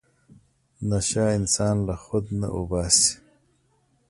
نشه انسان له خود نه اوباسي.